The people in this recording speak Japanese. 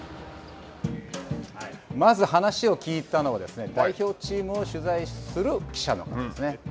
まず話を聞いたのは、代表チームを取材する記者の方ですね。